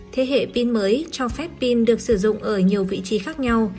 thế hệ pin mới cho phép pin được sử dụng ở nhiều vị trí khác nhau